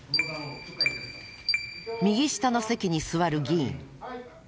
右下の席に座る議員。